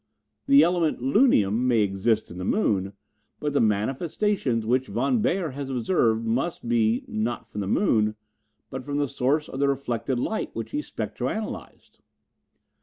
The element, lunium, may exist in the moon, but the manifestations which Von Beyer has observed must be, not from the moon, but from the source of the reflected light which he spectro analyzed."